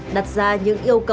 đặt ra những yêu cầu